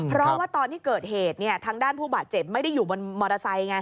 เพราะว่าตอนที่เกิดเหตุทางด้านผู้บาดเจ็บไม่ได้อยู่บนมอเตอร์ไซค์ไง